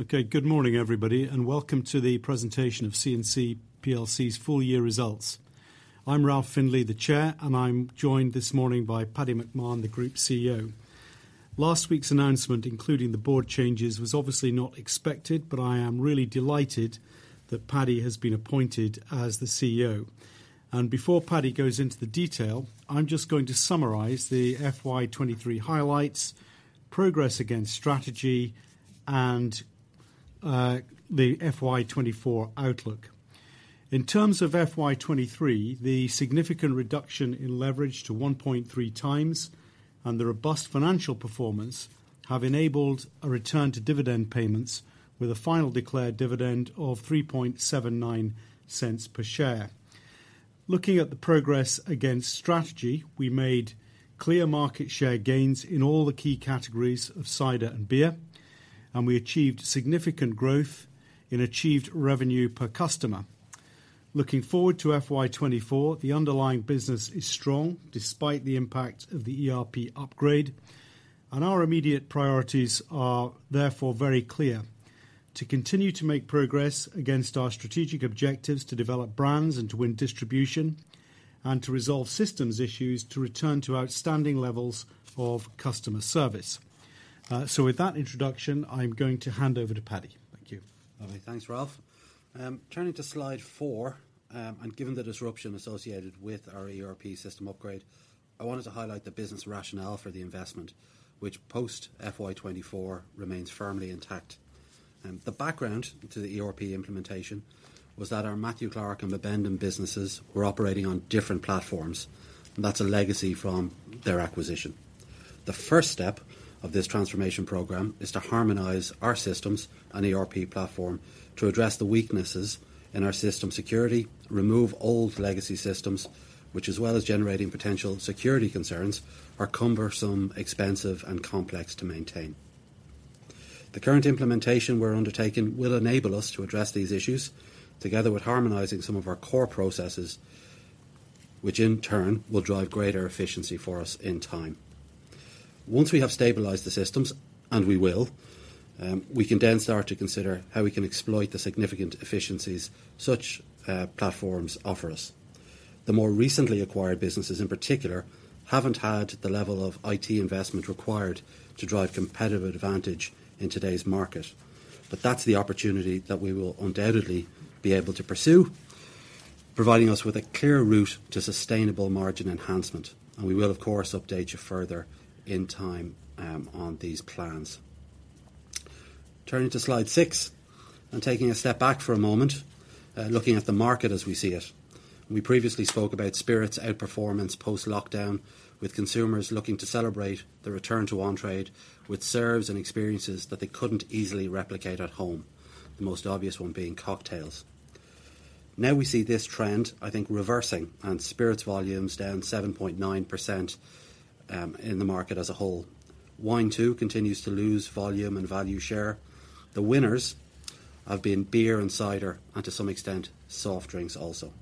Okay. Good morning, everybody, and welcome to the presentation of C&C plc's Full Year Results. I'm Ralph Findlay, the Chair, and I'm joined this morning by Patty McMahon, the Group CEO. Last week's announcement, including the board changes, was obviously not expected, but I am really delighted that Patty has been appointed as the CEO. Before Patty goes into the detail, I'm just going to summarize the FY 2023 highlights, progress against strategy and the FY 2024 outlook. In terms of FY 2023, the significant reduction in leverage to 1.3 times and the robust financial performance have enabled a return to dividend payments with a final declared dividend of 0.0379 per share. Looking at the progress against strategy, we made clear market share gains in all the key categories of cider and beer, and we achieved significant growth in achieved revenue per customer. Looking forward to FY 2024, the underlying business is strong despite the impact of the ERP upgrade, and our immediate priorities are therefore very clear. To continue to make progress against our strategic objectives to develop brands and to win distribution and to resolve systems issues to return to outstanding levels of customer service. With that introduction, I'm going to hand over to Patty. Thank you. Okay. Thanks, Ralph. Turning to Slide four, given the disruption associated with our ERP system upgrade, I wanted to highlight the business rationale for the investment, which post FY 2024 remains firmly intact. The background to the ERP implementation was that our Matthew Clark and Bibendum businesses were operating on different platforms, that's a legacy from their acquisition. The first step of this transformation program is to harmonize our systems and ERP platform to address the weaknesses in our system security, remove old legacy systems, which as well as generating potential security concerns, are cumbersome, expensive, and complex to maintain. The current implementation we're undertaking will enable us to address these issues together with harmonizing some of our core processes, which in turn will drive greater efficiency for us in time. Once we have stabilized the systems, and we will, we can then start to consider how we can exploit the significant efficiencies such platforms offer us. The more recently acquired businesses, in particular, haven't had the level of IT investment required to drive competitive advantage in today's market. That's the opportunity that we will undoubtedly be able to pursue, providing us with a clear route to sustainable margin enhancement. We will, of course, update you further in time on these plans. Turning to Slide six, and taking a step back for a moment, looking at the market as we see it. We previously spoke about spirits outperformance post-lockdown, with consumers looking to celebrate the return to on-trade with serves and experiences that they couldn't easily replicate at home. The most obvious one being cocktails. Now we see this trend, I think, reversing and spirits volumes down 7.9% in the market as a whole. Wine, too, continues to lose volume and value share. The winners have been beer and cider, and to some extent, soft drinks also.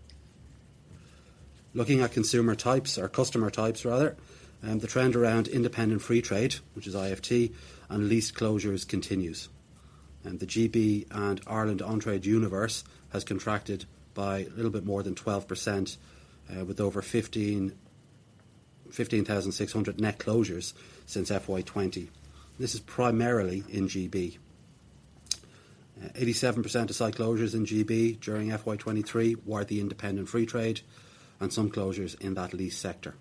Looking at consumer types or customer types rather, the trend around independent free trade, which is IFT, and lease closures continues. The GB and Ireland on-trade universe has contracted by a little bit more than 12% with over 1,500-1,600 net closures since FY 20. This is primarily in GB. 87% of site closures in GB during FY 23 were the independent free trade and some closures in that lease sector.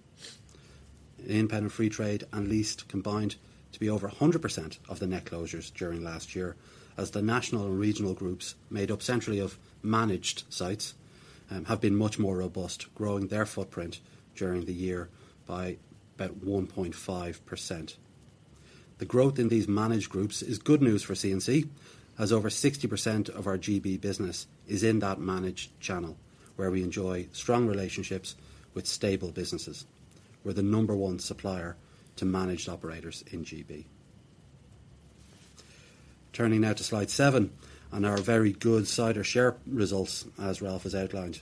Independent free trade and leased combined to be over 100% of the net closures during last year as the national and regional groups made up centrally of managed sites, have been much more robust, growing their footprint during the year by about 1.5%. The growth in these managed groups is good news for C&C, as over 60% of our GB business is in that managed channel, where we enjoy strong relationships with stable businesses. We're the number one supplier to managed operators in GB. Turning now to Slide seven and our very good cider share results as Ralph has outlined.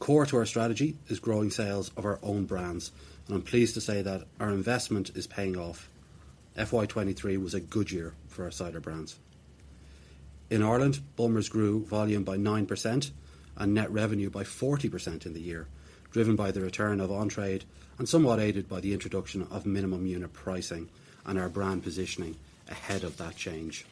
Core to our strategy is growing sales of our own brands, and I'm pleased to say that our investment is paying off. FY23 was a good year for our cider brands. In Ireland, Bulmers grew volume by 9% and net revenue by 40% in the year, driven by the return of on-trade and somewhat aided by the introduction of minimum unit pricing and our brand positioning ahead of that change.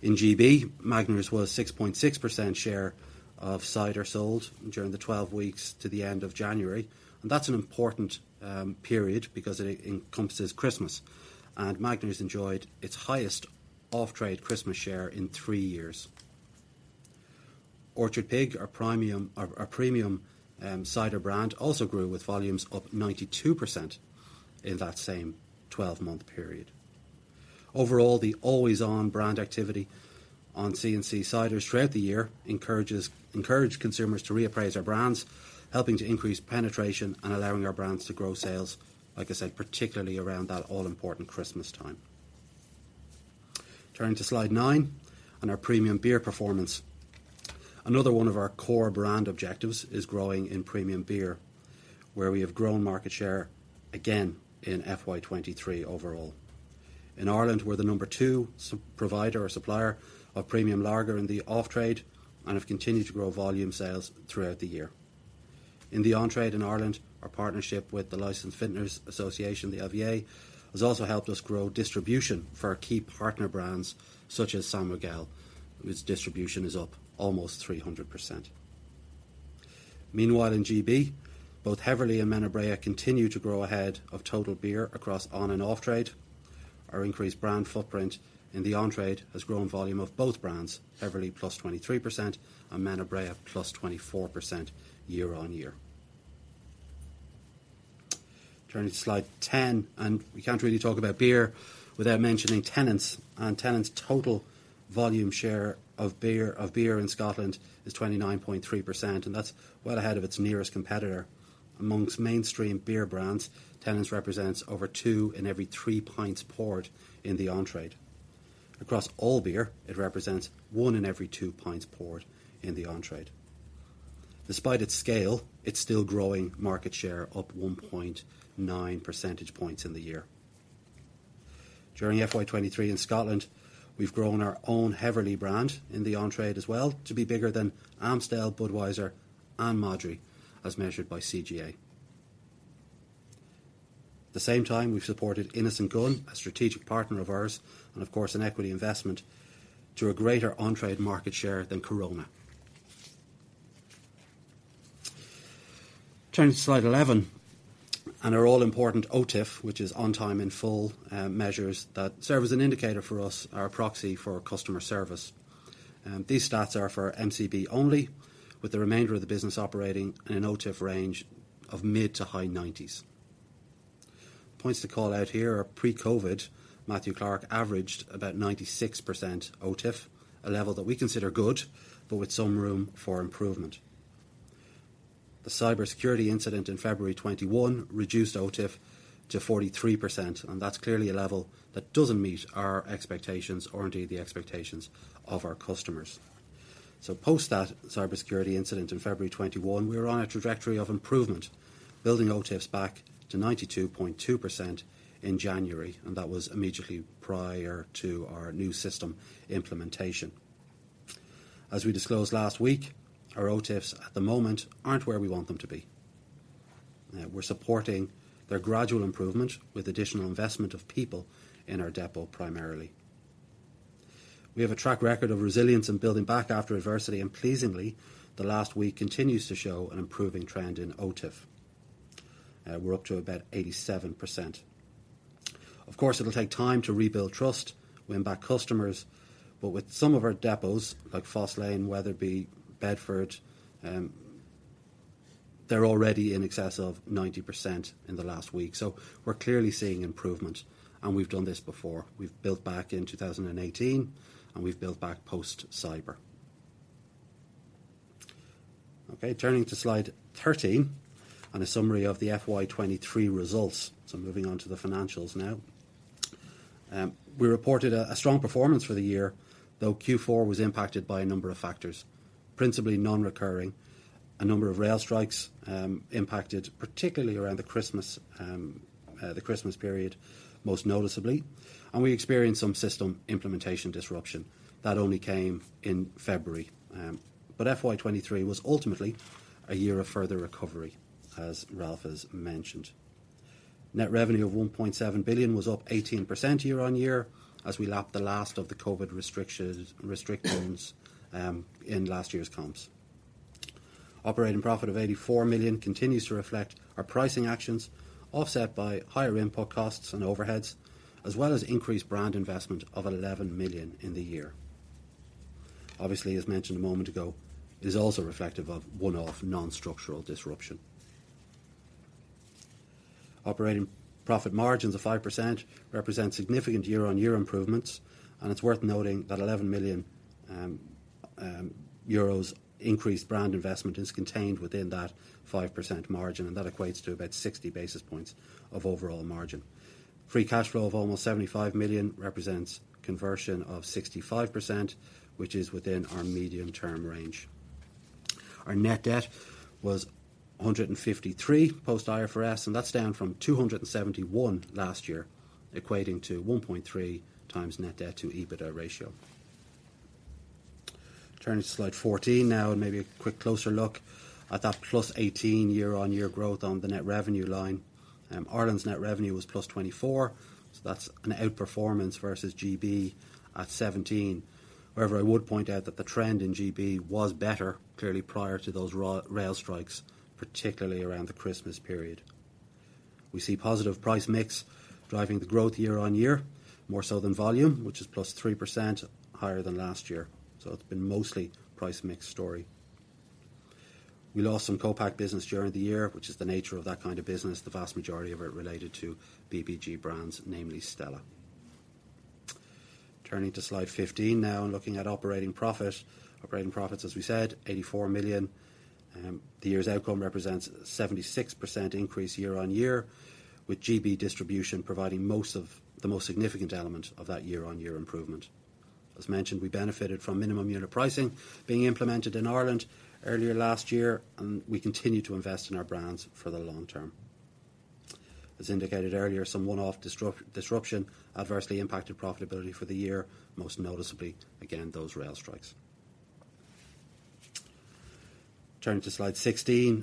In GB, Magners was 6.6% share of cider sold during the 12 weeks to the end of January. That's an important period because it encompasses Christmas, and Magners enjoyed its highest off-trade Christmas share in three years. Orchard Pig, our premium cider brand, also grew with volumes up 92% in that same 12-month period. Overall, the Always On brand activity on C&C Ciders throughout the year encouraged consumers to reappraise our brands, helping to increase penetration and allowing our brands to grow sales, like I said, particularly around that all-important Christmas time. Turning to slide nine on our premium beer performance. Another one of our core brand objectives is growing in premium beer, where we have grown market share again in FY 2023 overall. In Ireland, we're the number two supplier of premium lager in the off-trade, and have continued to grow volume sales throughout the year. In the on-trade in Ireland, our partnership with the Licensed Vintners Association, the LVA, has also helped us grow distribution for our key partner brands such as San Miguel, whose distribution is up almost 300%. Meanwhile, in GB, both Heverlee and Menabrea continue to grow ahead of total beer across on-trade and off-trade. Our increased brand footprint in the on-trade has grown volume of both brands, Heverlee plus 23% and Menabrea plus 24% year-over-year. Turning to slide 10, we can't really talk about beer without mentioning Tennent's. Tennent's total volume share of beer in Scotland is 29.3%, and that's well ahead of its nearest competitor. Among mainstream beer brands, Tennent's represents over two in every three pints poured in the on-trade. Across all beer, it represents one in every two pints poured in the on-trade. Despite its scale, it's still growing market share up 1.9 percentage points in the year. During FY 2023 in Scotland, we've grown our own Heverlee brand in the on-trade as well to be bigger than Amstel, Budweiser, and Andre as measured by CGA. At the same time, we've supported Innis & Gunn, a strategic partner of ours, and of course, an equity investment to a greater on-trade market share than Corona. Turning to Slide 11, our all-important OTIF, which is on time in full, measures that serve as an indicator for us, our proxy for customer service. These stats are for MCB only, with the remainder of the business operating in an OTIF range of mid to high nineties. Points to call out here are pre-COVID, Matthew Clark averaged about 96% OTIF, a level that we consider good, but with some room for improvement. The cybersecurity incident in February 2021 reduced OTIF to 43%, and that's clearly a level that doesn't meet our expectations or indeed the expectations of our customers. Post that cybersecurity incident in February 2021, we were on a trajectory of improvement, building OTIFs back to 92.2% in January, and that was immediately prior to our new system implementation. As we disclosed last week, our OTIFs at the moment aren't where we want them to be. We're supporting their gradual improvement with additional investment of people in our depot primarily. We have a track record of resilience in building back after adversity, and pleasingly, the last week continues to show an improving trend in OTIF. We're up to about 87%. Of course, it'll take time to rebuild trust, win back customers, but with some of our depots like Foss Lane, Wetherby, Bedford, they're already in excess of 90% in the last week. We're clearly seeing improvement, and we've done this before. We've built back in 2018, and we've built back post-cyber. Okay, turning to Slide 13 on a summary of the FY 23 results. Moving on to the financials now. We reported a strong performance for the year, though Q4 was impacted by a number of factors, principally non-recurring. A number of rail strikes impacted particularly around the Christmas, the Christmas period, most noticeably. We experienced some system implementation disruption. That only came in February. FY 2023 was ultimately a year of further recovery, as Ralph Findlay has mentioned. Net revenue of 1.7 billion was up 18% year-on-year as we lapped the last of the COVID restrictions in last year's comps. Operating profit of 84 million continues to reflect our pricing actions offset by higher input costs and overheads, as well as increased brand investment of 11 million in the year. Obviously, as mentioned a moment ago, it is also reflective of one-off non-structural disruption. Operating profit margins of 5% represent significant year-on-year improvements. It's worth noting that 11 million euros increased brand investment is contained within that 5% margin. That equates to about 60 basis points of overall margin. Free cash flow of almost 75 million represents conversion of 65%, which is within our medium-term range. Our net debt was 153 post IFRS. That's down from 271 last year, equating to 1.3 times net debt to EBITDA ratio. Turning to slide 14 now, maybe a quick closer look at that +18 year-on-year growth on the net revenue line. Ireland's net revenue was +24. That's an outperformance versus GB at 17. However, I would point out that the trend in GB was better, clearly prior to those rail strikes, particularly around the Christmas period. We see positive price mix driving the growth year on year, more so than volume, which is +3% higher than last year. It's been mostly price mix story. We lost some co-pack business during the year, which is the nature of that kind of business. The vast majority of it related to BBG brands, namely Stella. Turning to slide 15 now and looking at operating profit. Operating profits, as we said, 84 million. The year's outcome represents 76% increase year on year, with GB Distribution providing the most significant element of that year-on-year improvement. As mentioned, we benefited from, minimum unit pricing being implemented in Ireland earlier last year, we continue to invest in our brands for the long term. As indicated earlier, some one-off disruption adversely impacted profitability for the year, most noticeably, again, those rail strikes. Turning to slide 16,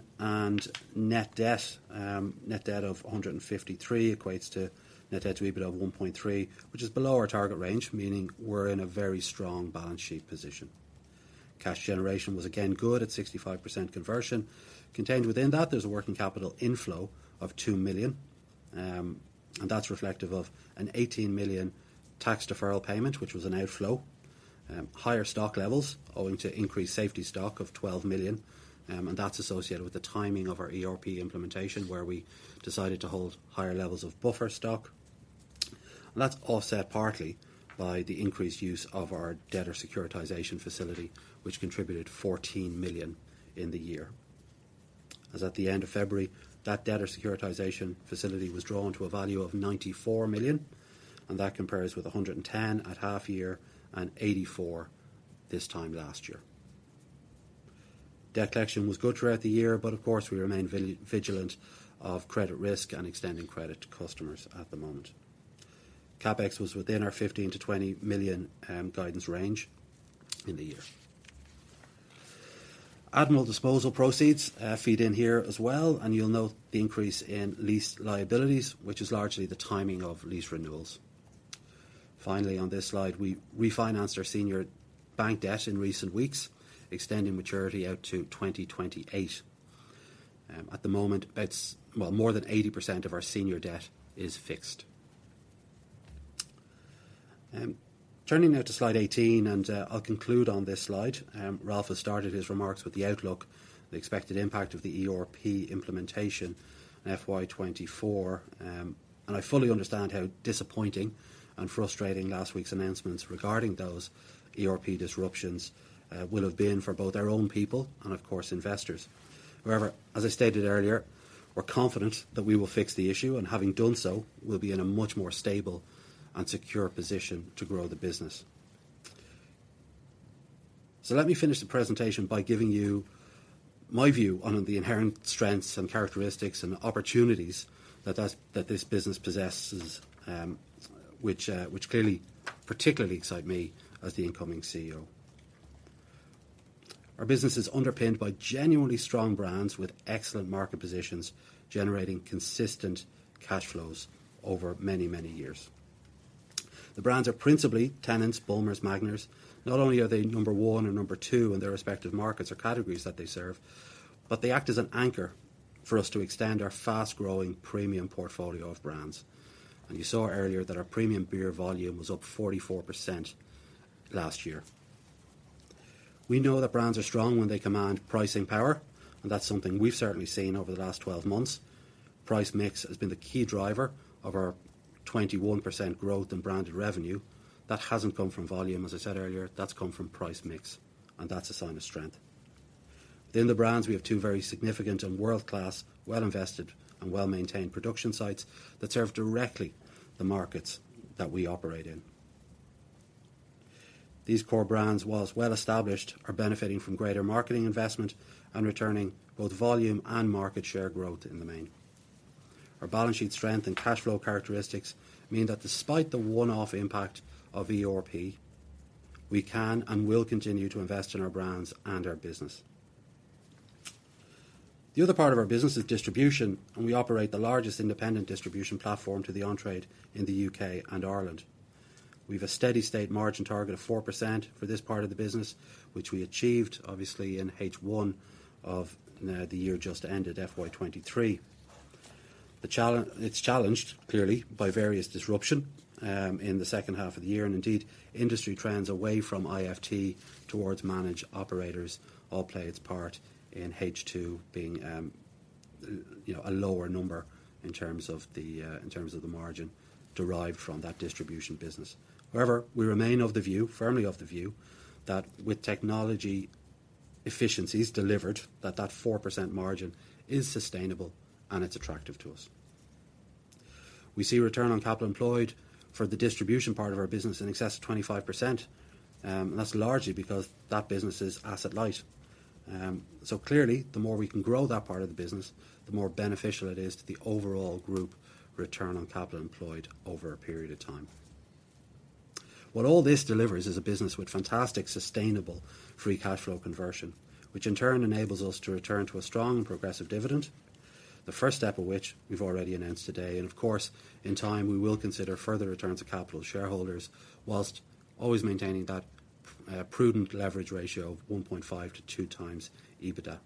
net debt of 153 equates to net debt to EBITDA of 1.3, which is below our target range, meaning we're in a very strong balance sheet position. Cash generation was again good at 65% conversion. Contained within that, there's a working capital inflow of 2 million, and that's reflective of an 18 million tax deferral payment, which was an outflow. Higher stock levels owing to increased safety stock of 12 million, and that's associated with the timing of our ERP implementation, where we decided to hold higher levels of buffer stock. That's offset partly by the increased use of our debtor securitization facility, which contributed 14 million in the year. As at the end of February, that debtor securitization facility was drawn to a value of 94 million, and that compares with 110 million at half year and 84 million this time last year. Debt collection was good throughout the year. Of course, we remain vigilant of credit risk and extending credit to customers at the moment. CapEx was within our 15 million-20 million guidance range in the year. Admiral disposal proceeds feed in here as well. You'll note the increase in lease liabilities, which is largely the timing of lease renewals. Finally, on this slide, we refinanced our senior bank debt in recent weeks, extending maturity out to 2028. At the moment, about, well, more than 80% of our senior debt is fixed. Turning now to slide 18. I'll conclude on this slide. Ralph has started his remarks with the outlook, the expected impact of the ERP implementation FY 2024. I fully understand how disappointing and frustrating last week's announcements regarding those ERP disruptions will have been for both our own people and of course, investors. As I stated earlier, we're confident that we will fix the issue, and having done so, we'll be in a much more stable and secure position to grow the business. Let me finish the presentation by giving you my view on the inherent strengths and characteristics and opportunities that this business possesses, which clearly particularly excite me as the incoming CEO. Our business is underpinned by genuinely strong brands with excellent market positions, generating consistent cash flows over many, many years. The brands are principally Tennent's, Bulmers, Magners. Not only are they number one and number two in their respective markets or categories that they serve, they act as an anchor for us to extend our fast-growing premium portfolio of brands. You saw earlier that our premium beer volume was up 44% last year. We know that brands are strong when they command pricing power, that's something we've certainly seen over the last 12 months. Price mix has been the key driver of our 21% growth in branded revenue. That hasn't come from volume, as I said earlier. That's come from price mix, that's a sign of strength. Within the brands, we have two very significant and world-class, well-invested and well-maintained production sites that serve directly the markets that we operate in. These core brands, whilst well established, are benefiting from greater marketing investment and returning both volume and market share growth in the main. Our balance sheet strength and cash flow characteristics mean that despite the one-off impact of ERP, we can and will continue to invest in our brands and our business. The other part of our business is distribution, and we operate the largest independent distribution platform to the on-trade in the U.K. and Ireland. We have a steady-state margin target of 4% for this part of the business, which we achieved obviously in H1 of the year just ended, FY 2023. It's challenged clearly by various disruption, in the second half of the year, and indeed, industry trends away from IFT towards managed operators all play its part in H2 being, you know, a lower number in terms of the margin derived from that distribution business. However, we remain of the view, firmly of the view, that with technology efficiencies delivered, that that 4% margin is sustainable and it's attractive to us. We see return on capital employed for the distribution part of our business in excess of 25%, and that's largely because that business is asset light. Clearly, the more we can grow that part of the business, the more beneficial it is to the overall group return on capital employed over a period of time. What all this delivers is a business with fantastic sustainable free cash flow conversion, which in turn enables us to return to a strong progressive dividend, the first step of which we've already announced today. Of course, in time, we will consider further returns of capital to shareholders whilst always maintaining that prudent leverage ratio of 1.5 to 2 times EBITDA.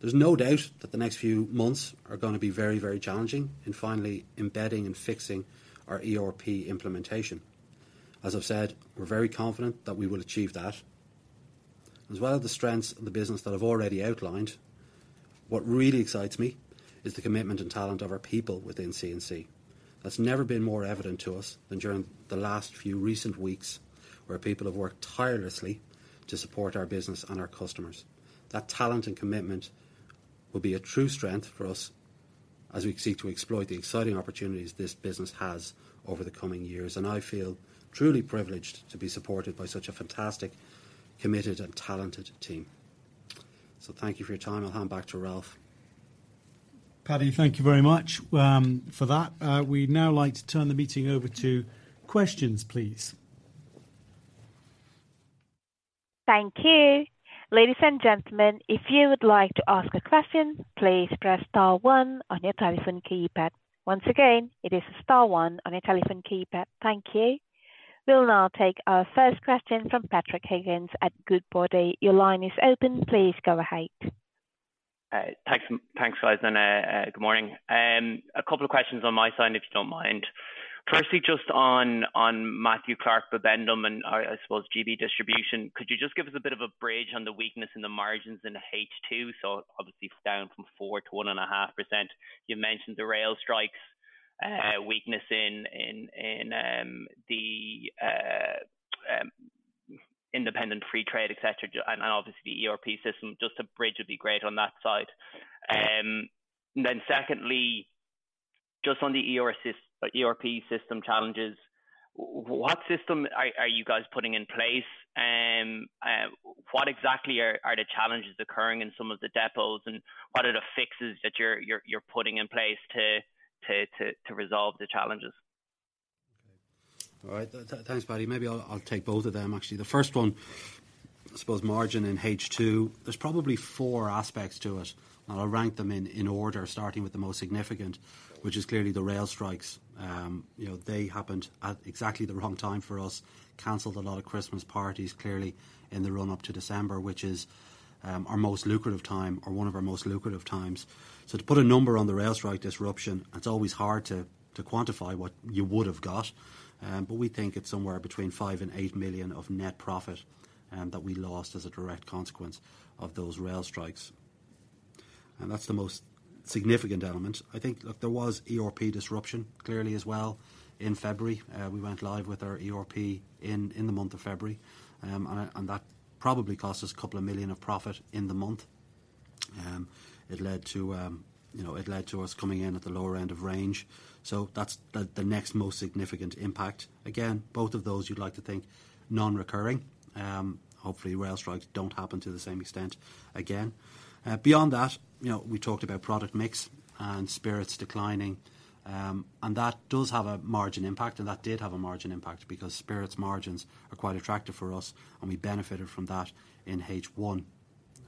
There's no doubt that the next few months are gonna be very, very challenging in finally embedding and fixing our ERP implementation. As I've said, we're very confident that we will achieve that. As well as the strengths of the business that I've already outlined. What really excites me is the commitment and talent of our people within C&C. That's never been more evident to us than during the last few recent weeks, where people have worked tirelessly to support our business and our customers. That talent and commitment will be a true strength for us as we seek to exploit the exciting opportunities this business has over the coming years, and I feel truly privileged to be supported by such a fantastic, committed, and talented team. Thank you for your time. I'll hand back to Ralph. Patty, thank you very much for that. We'd now like to turn the meeting over to questions, please. Thank you. Ladies and gentlemen, if you would like to ask a question, please press star one on your telephone keypad. Once again, it is star one on your telephone keypad. Thank you. We'll now take our first question from Patrick Higgins at Goodbody. Your line is open. Please go ahead. Thanks guys, good morning. A couple of questions on my side, if you don't mind. Firstly, just on Matthew Clark, Bibendum and I suppose GB Distribution, could you just give us a bit of a bridge on the weakness in the margins in the H2? Obviously it's down from 4 to 1.5%. You mentioned the rail strikes, weakness in the independent free trade, et cetera, obviously the ERP system, just a bridge would be great on that side. Secondly, just on the ERP system challenges, what system are you guys putting in place? What exactly are the challenges occurring in some of the depots, and what are the fixes that you're putting in place to resolve the challenges? All right. Thanks, Patty. Maybe I'll take both of them, actually. The first one, I suppose margin in H2, there's probably four aspects to it, and I'll rank them in order starting with the most significant, which is clearly the rail strikes. You know, they happened at exactly the wrong time for us. Canceled a lot of Christmas parties, clearly in the run up to December, which is our most lucrative time or one of our most lucrative times. To put a number on the rail strike disruption, it's always hard to quantify what you would've got, but we think it's somewhere between 5 million and 8 million of net profit that we lost as a direct consequence of those rail strikes. That's the most significant element. I think, look, there was ERP disruption clearly as well in February. We went live with our ERP in the month of February. That probably cost us EUR a couple of million of profit in the month. It led to, you know, it led to us coming in at the lower end of range, so that's the next most significant impact. Again, both of those you'd like to think non-recurring. Hopefully rail strikes don't happen to the same extent again. Beyond that, you know, we talked about product mix and spirits declining, that does have a margin impact, and that did have a margin impact because spirits margins are quite attractive for us, and we benefited from that in H1.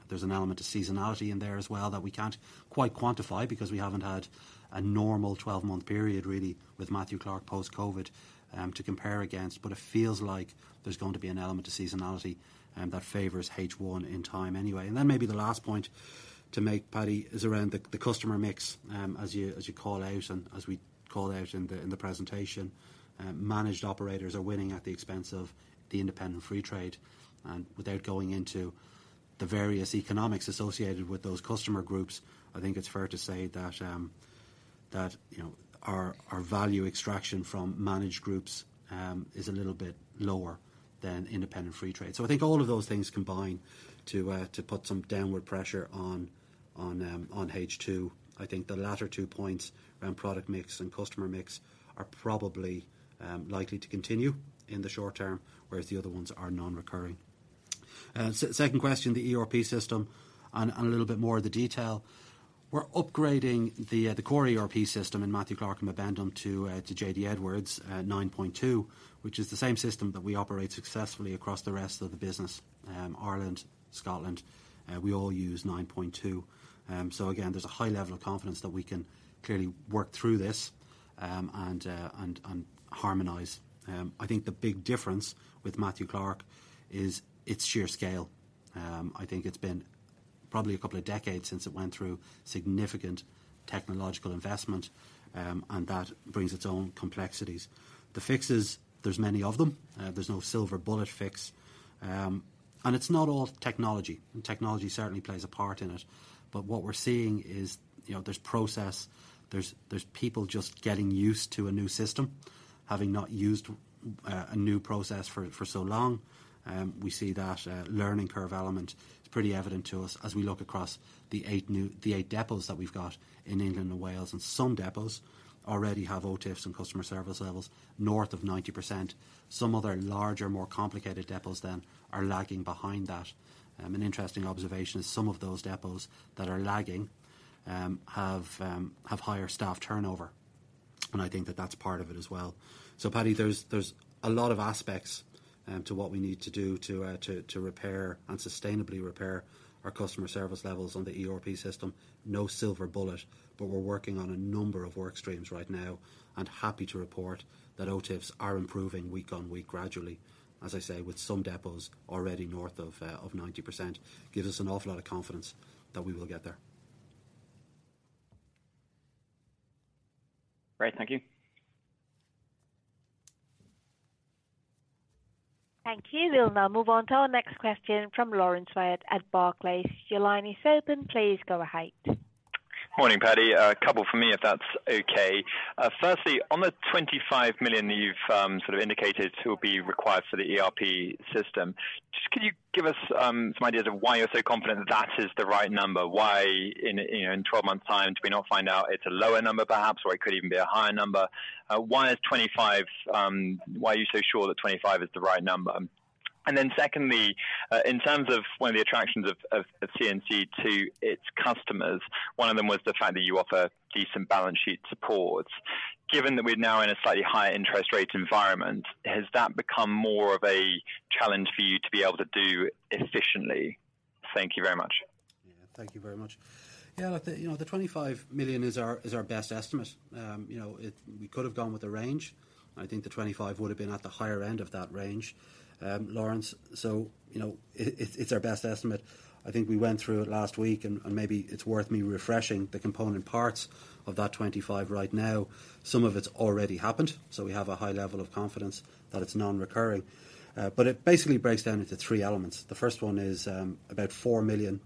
There's an element to seasonality in there as well that we can't quite quantify because we haven't had a normal 12-month period really with Matthew Clark post-COVID to compare against, but it feels like there's going to be an element to seasonality that favors H1 in time anyway. Then maybe the last point to make, Patty, is around the customer mix, as you call out and as we called out in the presentation. Managed operators are winning at the expense of the independent free trade. Without going into the various economics associated with those customer groups, I think it's fair to say that, you know, our value extraction from managed groups is a little bit lower than independent free trade. I think all of those things combine to put some downward pressure on H2. I think the latter two points around product mix and customer mix are probably likely to continue in the short term, whereas the other ones are non-recurring. Second question, the ERP system and a little bit more of the detail. We're upgrading the core ERP system in Matthew Clark and Bibendum to JD Edwards 9.2, which is the same system that we operate successfully across the rest of the business. Ireland, Scotland, we all use 9.2. Again, there's a high level of confidence that we can clearly work through this and harmonize. I think the big difference with Matthew Clark is its sheer scale. I think it's been probably a couple of decades since it went through significant technological investment, and that brings its own complexities. The fixes, there's many of them. There's no silver bullet fix. It's not all technology, and technology certainly plays a part in it. What we're seeing is, you know, there's process, there's people just getting used to a new system, having not used a new process for so long. We see that learning curve element is pretty evident to us as we look across the eight new, the eight depots that we've got in England and Wales, and some depots already have OTIFs and customer service levels north of 90%. Some other larger, more complicated depots then are lagging behind that. An interesting observation is some of those depots that are lagging have higher staff turnover, and I think that that's part of it as well. Patty, there's a lot of aspects to what we need to do to repair and sustainably repair our customer service levels on the ERP system. No silver bullet. We're working on a number of work streams right now. Happy to report that OTIFs are improving week on week gradually. As I say, with some depots already north of 90%, gives us an awful lot of confidence that we will get there. Great. Thank you. Thank you. We'll now move on to our next question from Laurence Whyatt at Barclays. Your line is open. Please go ahead. Morning, Patty. A couple from me, if that's okay. Firstly, on the 25 million that you've sort of indicated will be required for the ERP system, just could you give us some idea of why you're so confident that is the right number? Why in 12 months' time do we not find out it's a lower number perhaps, or it could even be a higher number. Why are you so sure that 25 is the right number? Secondly, in terms of one of the attractions of C&C to its customers, one of them was the fact that you offer decent balance sheet support. Given that we're now in a slightly higher interest rate environment, has that become more of a challenge for you to be able to do efficiently? Thank you very much. Thank you very much. Look, the, you know, the 25 million is our, is our best estimate. You know, we could have gone with a range. I think the 25 million would have been at the higher end of that range, Laurence. It's, it's our best estimate. I think we went through it last week and maybe it's worth me refreshing the component parts of that 25 million right now. Some of it's already happened, so we have a high level of confidence that it's non-recurring. It basically breaks down into three elements. The first one is, about 4 million,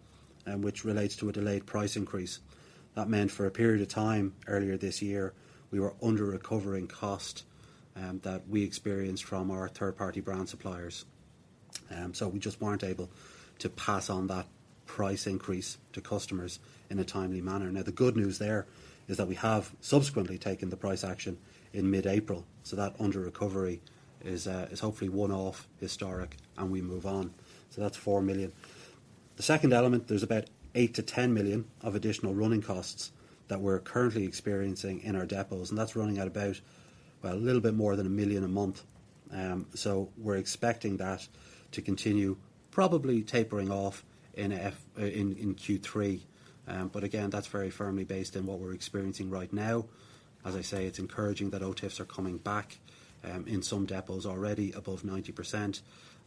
which relates to a delayed price increase. That meant for a period of time earlier this year, we were under recovering cost, that we experienced from our third party brand suppliers. We just weren't able to pass on that price increase to customers in a timely manner. Now, the good news there is that we have subsequently taken the price action in mid-April, that underrecovery is hopefully one-off, historic, and we move on. That's 4 million. The second element, there's about 8 million-10 million of additional running costs that we're currently experiencing in our depots, and that's running at about, well, a little bit more than 1 million a month. We're expecting that to continue probably tapering off in Q3. Again, that's very firmly based on what we're experiencing right now. As I say, it's encouraging that OTIFs are coming back, in some depots already above 90%.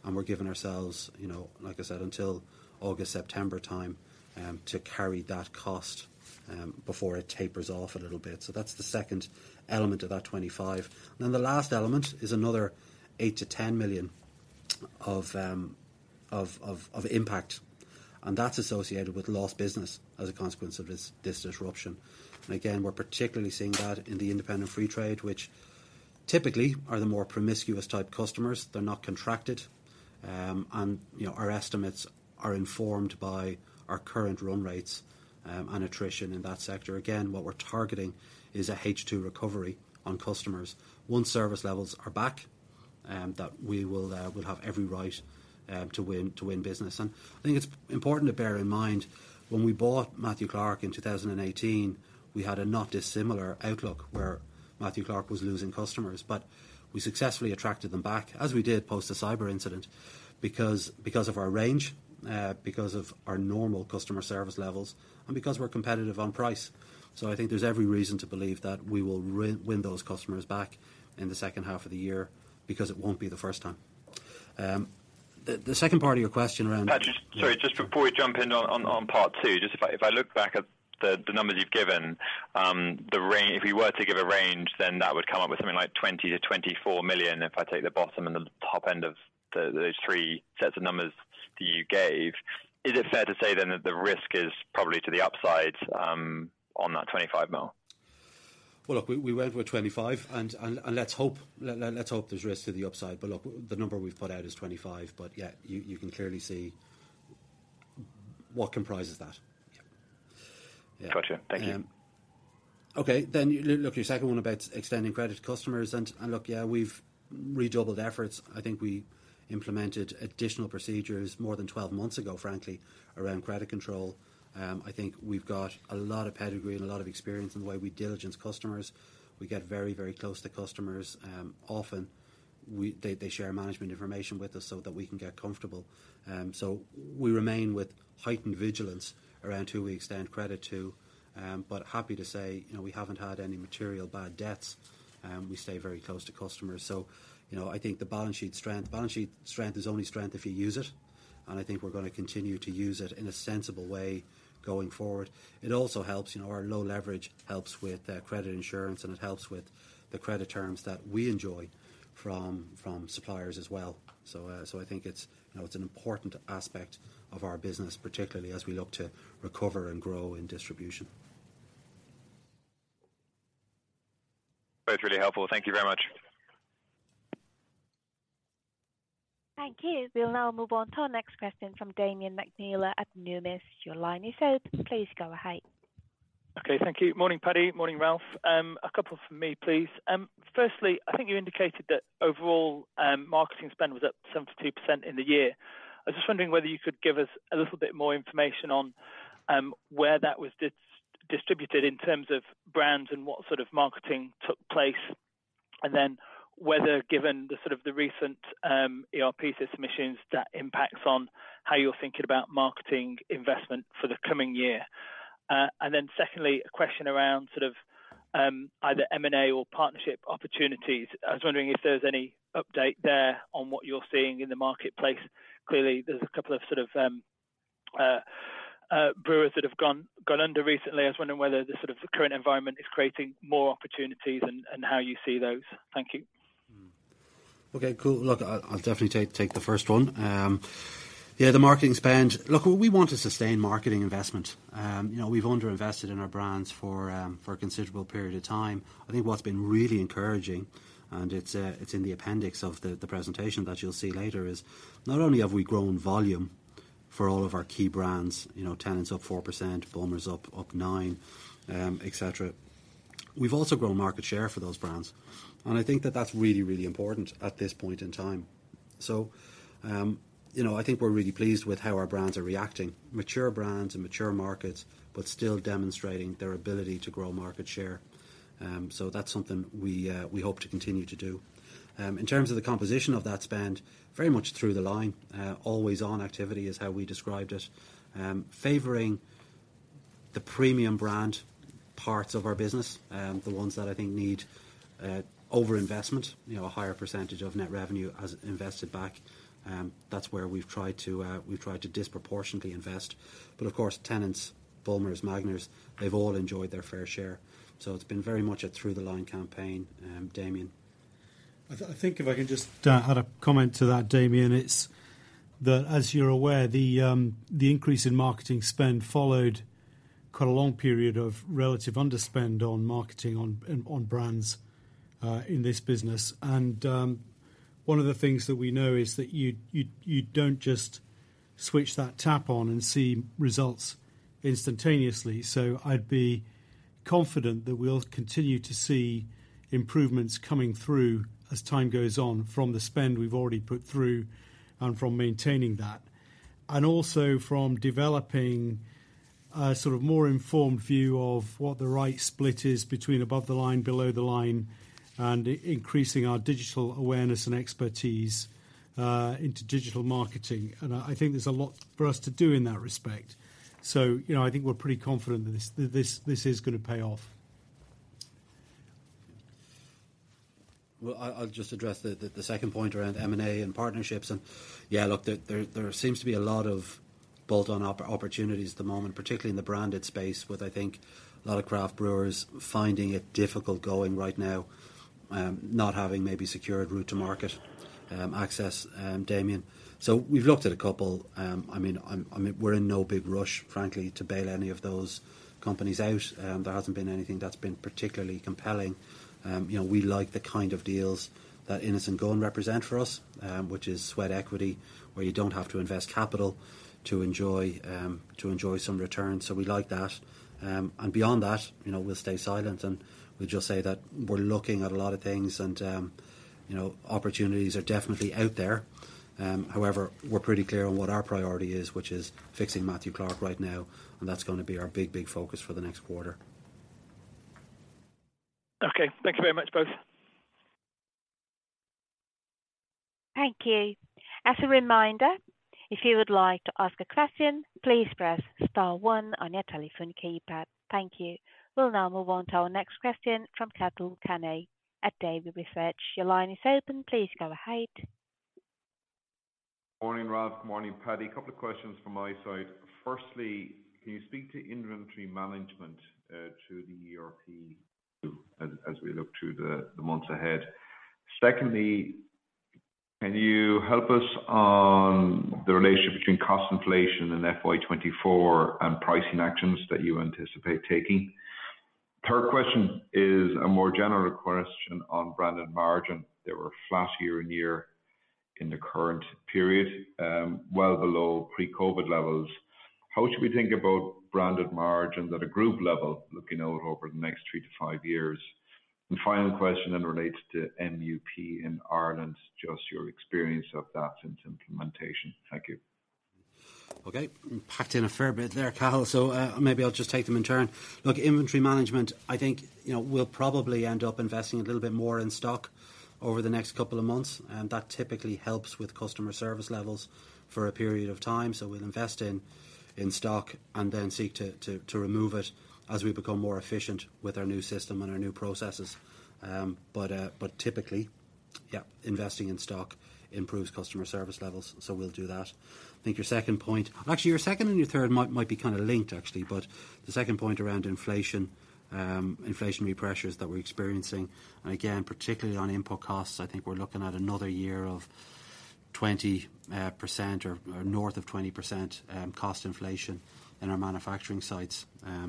We're giving ourselves, you know, like I said, until August, September time, to carry that cost before it tapers off a little bit. That's the second element of that 25. The last element is another 8 million-10 million of impact, and that's associated with lost business as a consequence of this disruption. Again, we're particularly seeing that in the independent free trade, which typically are the more promiscuous type customers. They're not contracted. And, you know, our estimates are informed by our current run rates and attrition in that sector. Again, what we're targeting is a H2 recovery on customers once service levels are back, that we will have every right to win business. I think it's important to bear in mind when we bought Matthew Clark in 2018, we had a not dissimilar outlook where Matthew Clark was losing customers, but we successfully attracted them back, as we did post the cyber incident because of our range, because of our normal customer service levels, and because we're competitive on price. I think there's every reason to believe that we will win those customers back in the second half of the year because it won't be the first time. The second part of your question around. Patty, sorry, just before we jump in on part two. Just if I, if I look back at the numbers you've given, the range, if you were to give a range, then that would come up with something like 20 million to 24 million, if I take the bottom and the top end of the, those three sets of numbers that you gave. Is it fair to say then that the risk is probably to the upside, on that 25 million? Well, look, we went with 25 and let's hope there's risk to the upside. Look, the number we've put out is 25. Yeah, you can clearly see what comprises that. Yeah. Gotcha. Thank you. Okay. Your second one about extending credit to customers, we've redoubled efforts. I think we implemented additional procedures more than 12 months ago, frankly, around credit control. I think we've got a lot of pedigree and a lot of experience in the way we diligence customers. We get very, very close to customers. Often they share management information with us so that we can get comfortable. We remain with heightened vigilance around who we extend credit to. Happy to say, you know, we haven't had any material bad debts. We stay very close to customers. You know, I think the balance sheet strength. Balance sheet strength is only strength if you use it, and I think we're gonna continue to use it in a sensible way going forward. It also helps, you know, our low leverage helps with credit insurance, and it helps with the credit terms that we enjoy from suppliers as well. I think it's, you know, it's an important aspect of our business, particularly as we look to recover and grow in distribution. That's really helpful. Thank you very much. Thank you. We'll now move on to our next question from Damian McNeela at Numis. Your line is open. Please go ahead. Okay. Thank you. Morning, Patty. Morning, Ralph. A couple from me, please. Firstly, I think you indicated that overall, marketing spend was up 72% in the year. I was just wondering whether you could give us a little bit more information on where that was distributed in terms of brands and what sort of marketing took place. Whether, given the sort of the recent ERP system issues that impacts on how you're thinking about marketing investment for the coming year. Secondly, a question around sort of either M&A or partnership opportunities. I was wondering if there's any update there on what you're seeing in the marketplace. Clearly, there's a couple of sort of brewers that have gone under recently. I was wondering whether the sort of current environment is creating more opportunities and how you see those. Thank you. Okay, cool. I'll definitely take the first one. Yeah, the marketing spend. We want to sustain marketing investment. You know, we've underinvested in our brands for a considerable period of time. I think what's been really encouraging, and it's in the appendix of the presentation that you'll see later, is not only have we grown volume for all of our key brands, you know, Tennent's up 4%, Bulmers up nine etc. We've also grown market share for those brands. I think that's really important at this point in time. You know, I think we're really pleased with how our brands are reacting. Mature brands and mature markets, but still demonstrating their ability to grow market share. That's something we hope to continue to do. In terms of the composition of that spend, very much through the line, always on activity is how we described it. Favoring the premium brand parts of our business, the ones that I think need overinvestment, you know, a higher percentage of net revenue as invested back. That's where we've tried to, we've tried to disproportionately invest. Of course, Tennent's, Bulmers, Magners, they've all enjoyed their fair share. It's been very much a through the line campaign. Damian. I think if I can just add a comment to that, Damian. It's the as you're aware, the increase in marketing spend followed quite a long period of relative underspend on marketing on brands in this business. One of the things that we know is that you don't just switch that tap on and see results instantaneously. I'd be confident that we'll continue to see improvements coming through as time goes on from the spend we've already put through and from maintaining that. Also from developing a sort of more informed view of what the right split is between above the line, below the line, and increasing our digital awareness and expertise into digital marketing. I think there's a lot for us to do in that respect. You know, I think we're pretty confident that this is gonna pay off. Well, I'll just address the second point around M&A and partnerships. Yeah, look, there seems to be a lot of bolt-on opportunities at the moment, particularly in the branded space, with, I think, a lot of craft brewers finding it difficult going right now, not having maybe secured route to market access, Damian. We've looked at a couple. I mean, we're in no big rush, frankly, to bail any of those companies out. There hasn't been anything that's been particularly compelling. You know, we like the kind of deals that Innis & Gunn represent for us, which is sweat equity, where you don't have to invest capital to enjoy, to enjoy some return. We like that. Beyond that, you know, we'll stay silent, and we'll just say that we're looking at a lot of things and, you know, opportunities are definitely out there. However, we're pretty clear on what our priority is, which is fixing Matthew Clark right now, and that's gonna be our big, big focus for the next quarter. Okay. Thank you very much, both. Thank you. As a reminder, if you would like to ask a question, please press star one on your telephone keypad. Thank you. We'll now move on to our next question from Cathal Kenny at Davy Research. Your line is open. Please go ahead. Morning, Ralph. Morning, Patty. Couple of questions from my side. Firstly, can you speak to inventory management, to the ERP as we look to the months ahead? Secondly, can you help us on the relationship between cost inflation in FY 2024 and pricing actions that you anticipate taking? Third question is a more general question on branded margin. They were flat year and year in the current period, well below pre-COVID levels. How should we think about branded margins at a group level looking out over the next three to five years? Final question then relates to MUP in Ireland, just your experience of that since implementation. Thank you. Okay. Packed in a fair bit there, Cathal, maybe I'll just take them in turn. Look, inventory management, I think, you know, we'll probably end up investing a little bit more in stock over the next couple of months, and that typically helps with customer service levels for a period of time. We'll invest in stock and then seek to remove it as we become more efficient with our new system and our new processes. Typically, yeah, investing in stock improves customer service levels, we'll do that. Actually, your second and your third might be kind of linked, actually. The second point around inflation, inflationary pressures that we're experiencing. Again, particularly on input costs, I think we're looking at another year of 20% or north of 20% cost inflation in our manufacturing sites.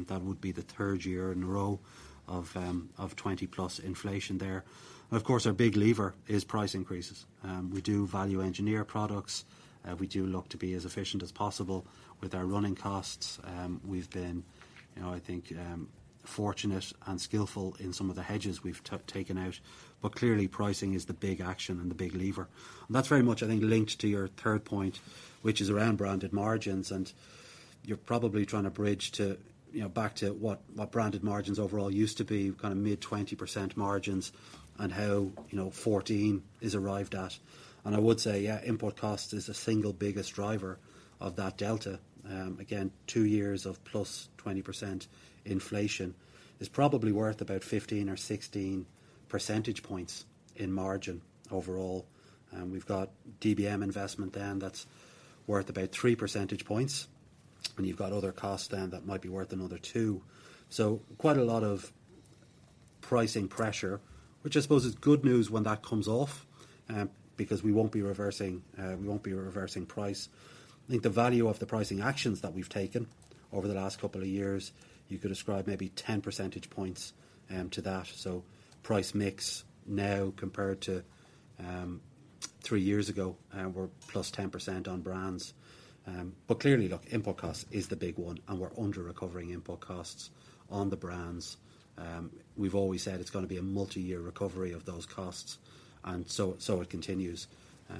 That would be the third year in a row of 20-plus inflation there. Of course, our big lever is price increases. We do value engineer products. We do look to be as efficient as possible with our running costs. We've been, you know, I think, fortunate and skillful in some of the hedges we've taken out, but clearly pricing is the big action and the big lever. That's very much, I think, linked to your third point, which is around branded margins, and you're probably trying to bridge to, you know, back to what branded margins overall used to be, kind of mid-20% margins and how, you know, 14 is arrived at. I would say, yeah, import cost is the single biggest driver of that delta. Again, two years of +20% inflation is probably worth about 15 or 16 percentage points in margin overall. We've got DBM investment then that's worth about 3 percentage points, and you've got other costs then that might be worth another two. Quite a lot of pricing pressure, which I suppose is good news when that comes off, because we won't be reversing, we won't be reversing price. I think the value of the pricing actions that we've taken over the last couple of years, you could ascribe maybe 10 percentage points to that. Price mix now compared to three years ago, we're +10% on brands. Clearly, look, input cost is the big one, and we're under-recovering input costs on the brands. We've always said it's gonna be a multi-year recovery of those costs, and so it continues.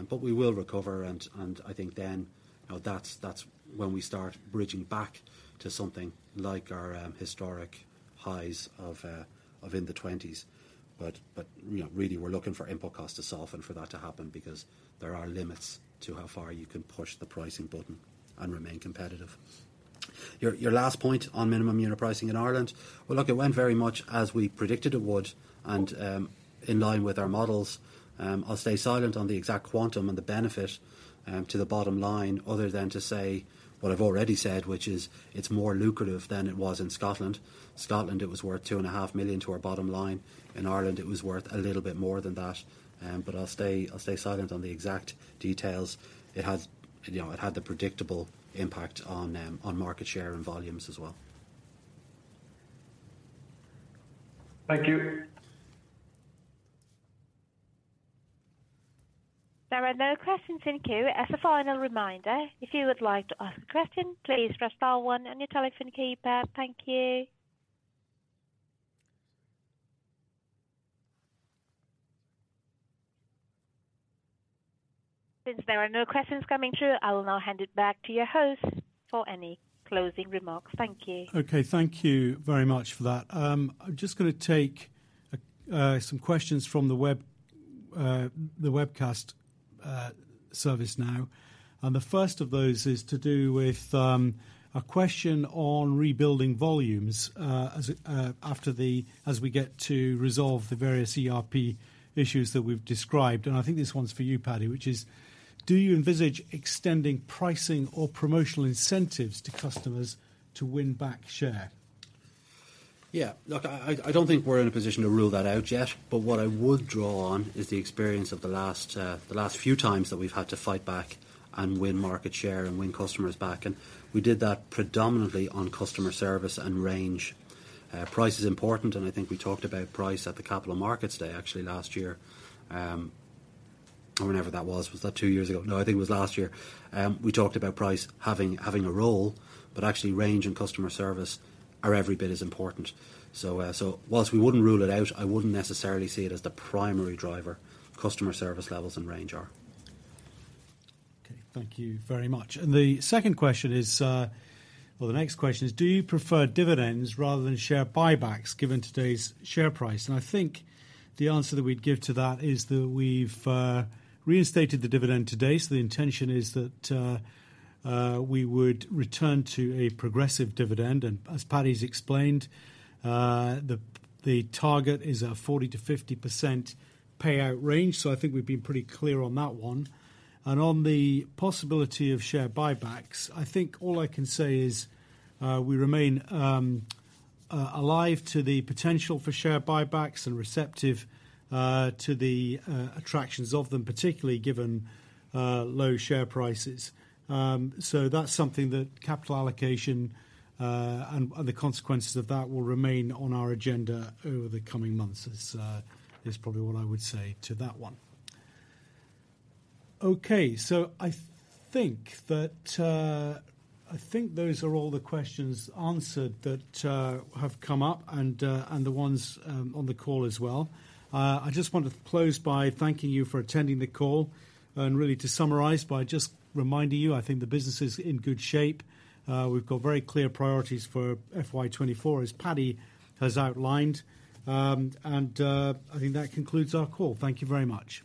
We will recover, and I think then, you know, that's when we start bridging back to something like our historic highs of in the 20s. You know, really we're looking for input cost to soften for that to happen because there are limits to how far you can push the pricing button and remain competitive. Your last point on minimum unit pricing in Ireland. Look, it went very much as we predicted it would and, in line with our models. I'll stay silent on the exact quantum and the benefit, to the bottom line other than to say what I've already said, which is it's more lucrative than it was in Scotland. Scotland, it was worth two and a half million to our bottom line. In Ireland, it was worth a little bit more than that. I'll stay silent on the exact details. It has, you know, it had the predictable impact on market share and volumes as well. Thank you. There are no questions in queue. As a final reminder, if you would like to ask a question, please press star one on your telephone keypad. Thank you. There are no questions coming through, I will now hand it back to your host for any closing remarks. Thank you. Okay. Thank you very much for that. I'm just gonna take some questions from the web, the webcast service now. The first of those is to do with a question on rebuilding volumes as we get to resolve the various ERP issues that we've described, and I think this one's for you, Patty, which is do you envisage extending pricing or promotional incentives to customers to win back share? Look, I don't think we're in a position to rule that out yet, but what I would draw on is the experience of the last few times that we've had to fight back and win market share and win customers back. We did that predominantly on customer service and range. Price is important, and I think we talked about price at the Capital Markets Day actually last year, or whenever that was. Was that two years ago? No, I think it was last year. We talked about price having a role, but actually range and customer service are every bit as important. Whilst we wouldn't rule it out, I wouldn't necessarily see it as the primary driver. Customer service levels and range are. Okay, thank you very much. The second question is, or the next question is, do you prefer dividends rather than share buybacks given today's share price? I think the answer that we'd give to that is that we've reinstated the dividend today, so the intention is that we would return to a progressive dividend. As Patty's explained, the target is a 40% to 50% payout range. I think we've been pretty clear on that one. On the possibility of share buybacks, I think all I can say is, we remain alive to the potential for share buybacks and receptive to the attractions of them, particularly given low share prices. That's something that capital allocation, and the consequences of that will remain on our agenda over the coming months is probably what I would say to that one. Okay. I think that those are all the questions answered that have come up and the ones on the call as well. I just want to close by thanking you for attending the call and really to summarize by just reminding you, I think the business is in good shape. We've got very clear priorities for FY 2024, as Patty has outlined. I think that concludes our call. Thank you very much.